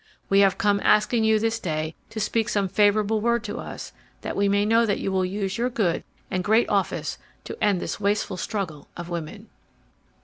We have come asking you this day to speak some favorable word to us that we may know that you will use your good and great office to end this wasteful struggle of women."